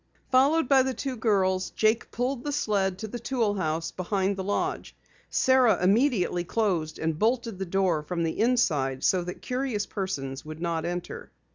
Followed by the two girls, Jake pulled the sled to the tool house behind the lodge. Sara immediately closed and bolted the door from the inside so that curious persons would not enter.